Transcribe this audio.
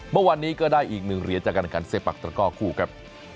เมื่อวันนี้ก็ได้อีกหนึ่งเหรียญจากการการเสพักตระกอบคู่ครับ